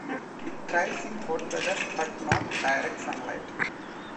It thrives in hot weather but not direct sunlight.